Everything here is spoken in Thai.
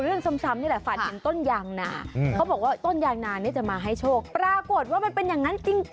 เขาฝัน